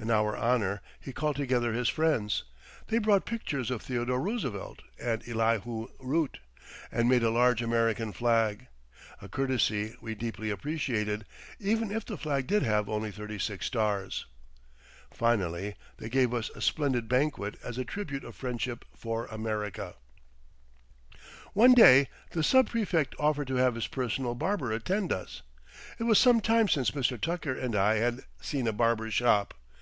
In our honor he called together his friends. They brought pictures of Theodore Roosevelt and Elihu Root, and made a large American flag; a courtesy we deeply appreciated, even if the flag did have only thirty six stars. Finally, they gave us a splendid banquet as a tribute of friendship for America. One day the sub prefect offered to have his personal barber attend us. It was some time since Mr. Tucker and I had seen a barber shop.